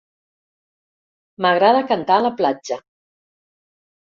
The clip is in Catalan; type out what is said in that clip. M'agrada cantar a la platja.